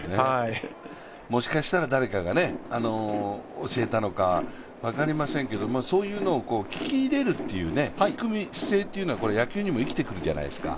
もしかしたら誰かが教えたのかも分かりませんけれども、そういうのを聞き入れるという、聞く姿勢というのは野球にも生きてくるじゃないですか。